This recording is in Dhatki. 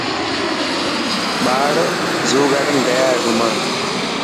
ٻاڙ زو گارڊن گيا هي گھمڻ.